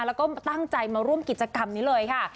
แล้วก็ตั้งใจมาร่วมกิจกรรมนี้เลยค่ะ